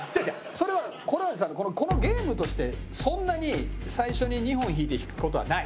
これはさこのゲームとしてそんなに最初に２本引いて引く事はない。